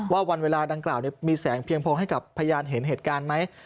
วันเวลาดังกล่าวมีแสงเพียงพอให้กับพยานเห็นเหตุการณ์ไหม